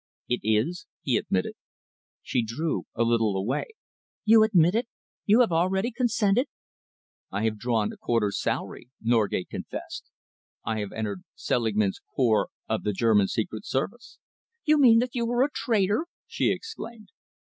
"It is," he admitted. She drew a little away. "You admit it? You have already consented?" "I have drawn a quarter's salary," Norgate confessed. "I have entered Selingman's corps of the German Secret Service." "You mean that you are a traitor!" she exclaimed.